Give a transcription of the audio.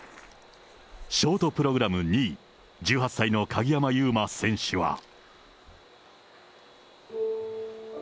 ショートプログラム２位、１８歳の鍵山優真選手は。